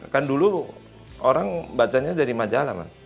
kan dulu orang bacanya aja di majalah